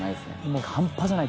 もう半端じゃない。